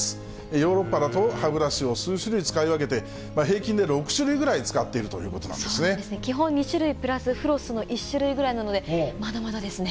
ヨーロッパだと、歯ブラシを数種類使い分けて、平均で６種類ぐらい使っていると基本２種類プラスフロスの１種類ぐらいなので、まだまだですね。